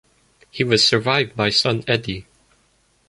He was survived by son Edy.